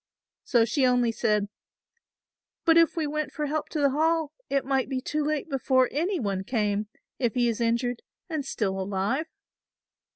So she only said; "But if we went for help to the Hall it might be too late before any one came, if he is injured and still alive."